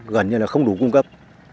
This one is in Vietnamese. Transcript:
gần như là không đủ cung cấp